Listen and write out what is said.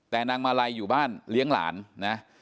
แต่นางมาลัยอยู่บ้านเลี้ยงหลานนะ